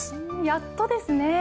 やっとですね。